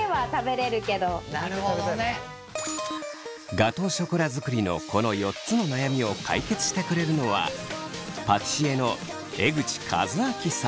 ガトーショコラ作りのこの４つの悩みを解決してくれるのはパティシエの江口和明さん。